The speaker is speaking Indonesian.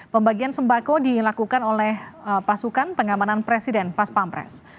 pembagian sembako dilakukan oleh pasukan pengamanan presiden pas pampres